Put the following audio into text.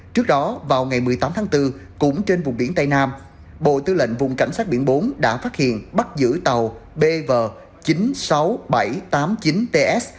trước đó vào ngày một mươi tám tháng bốn cũng trên vùng biển tây nam bộ tư lệnh vùng cảnh sát biển bốn đã phát hiện bắt giữ tàu bv chín mươi sáu nghìn bảy trăm tám mươi chín ts